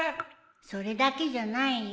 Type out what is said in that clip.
それだけじゃないよ